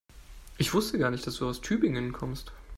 Ich wusste gar nicht, dass du aus Tübingen kommst